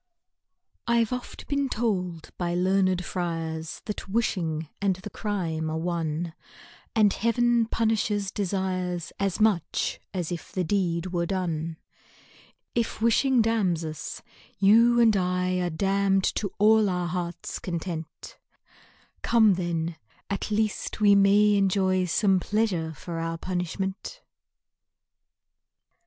I 'VE oft been told by learned friars, That wishing and the crime are one, And Heaven punishes desires As much as if the deed were done If wishing damns us, you and 1 Are damn'd to all our heart's content , Come then, at least we may enjoy Some pleasure for our punishment